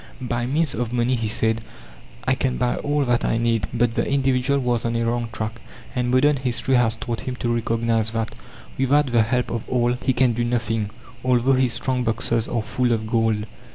"By means of money," he said, "I can buy all that I need." But the individual was on a wrong track, and modern history has taught him to recognize that, without the help of all, he can do nothing, although his strong boxes are full of gold.